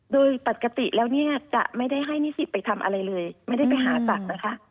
โดยปกติแล้วเนี่ยจะไม่ได้ให้นิสิตไปทำอะไรเลยไม่ได้ไปหาสัตว์นะคะ